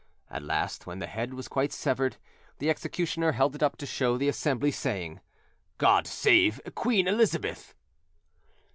At last, when the head was quite severed, the executioner held it up to show to the assembly, saying: "God save Queen Elizabeth!"